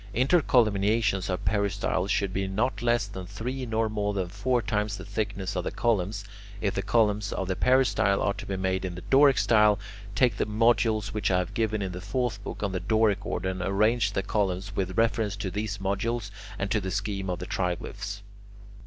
Intercolumniations of peristyles should be not less than three nor more than four times the thickness of the columns. If the columns of the peristyle are to be made in the Doric style, take the modules which I have given in the fourth book, on the Doric order, and arrange the columns with reference to these modules and to the scheme of the triglyphs.